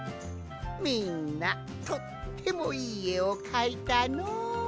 みんなとってもいいえをかいたのう。